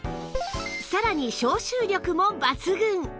さらに消臭力も抜群！